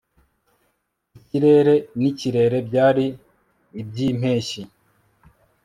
Ikirere nikirere byari ibyimpeshyi